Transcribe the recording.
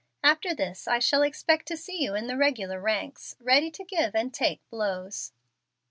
After this I shall expect to see you in the regular ranks, ready to give and take blows."